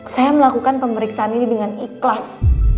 saya melakukan pemeriksaan ini dengan ikhlas